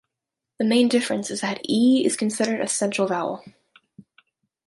The main difference is that "e" is considered a central vowel.